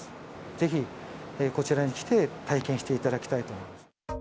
ぜひこちらに来て、体験していただきたいと思います。